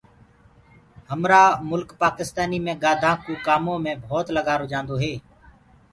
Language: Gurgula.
همرآ مُلڪ پاڪِستآنيٚ مي گآڌآ ڪو ڪآمو مي ڀوتَ لگآرو جآنٚدو هي